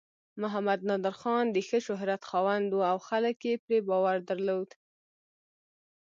محمد نادر خان د ښه شهرت خاوند و او خلک یې پرې باور درلود.